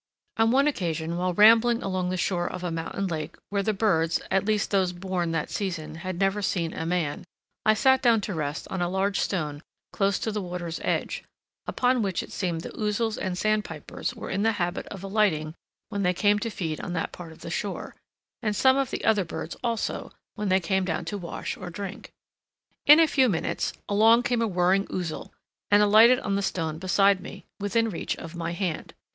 On one occasion, while rambling along the shore of a mountain lake, where the birds, at least those born that season, had never seen a man, I sat down to rest on a large stone close to the water's edge, upon which it seemed the ouzels and sandpipers were in the habit of alighting when they came to feed on that part of the shore, and some of the other birds also, when they came down to wash or drink. In a few minutes, along came a whirring Ouzel and alighted on the stone beside me, within reach of my hand.